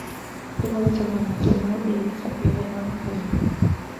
Tuvo dos hermanas, Leonor y Elsa y un hermano, Jaime.